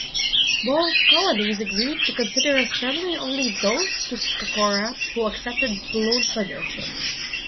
Both colonies agreed to consider as friendly only those Tuscarora who accepted Blount's leadership.